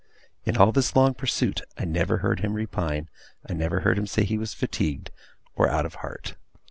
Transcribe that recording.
In all this long pursuit, I never heard him repine; I never heard him say he was fatigued, or out of heart.